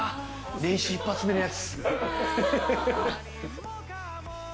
年始一発目のやつ。